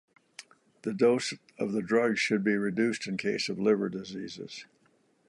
The dose of the drug should be reduced in case of liver diseases.